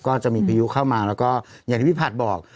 ก็จะมีพายุเข้ามาแล้วก็อย่างที่พี่ผัดบอก